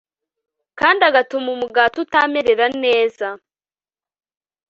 kandi agatuma umugati utamerera neza